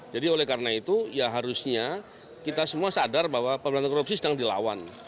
oleh karena itu ya harusnya kita semua sadar bahwa pemberantasan korupsi sedang dilawan